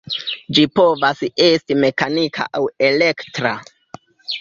Ĝi povas esti mekanika aŭ elektra.